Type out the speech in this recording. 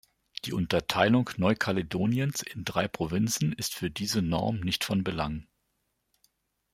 Die Unterteilung Neukaledoniens in drei Provinzen ist für diese Norm nicht von Belang.